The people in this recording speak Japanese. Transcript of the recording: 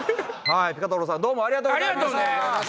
ピコ太郎さんどうもありがとうございました。